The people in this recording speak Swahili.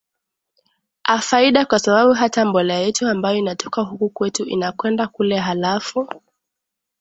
afaida kwa sababu hata mbolea yetu ambayo inatoka huku kwetu inakwenda kule alafu